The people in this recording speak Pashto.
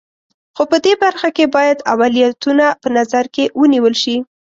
خو په دې برخه کې باید اولویتونه په نظر کې ونیول شي.